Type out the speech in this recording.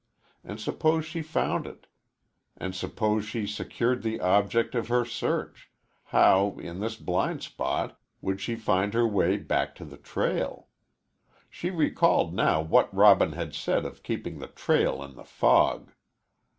And suppose she found it, and suppose she secured the object of her search, how, in this blind spot, would she find her way back to the trail? She recalled now what Robin had said of keeping the trail in the fog.